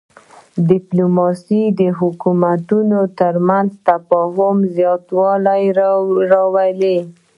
ډیپلوماسي د حکومتونو ترمنځ د تفاهم زیاتوالی راولي.